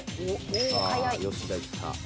吉田いった。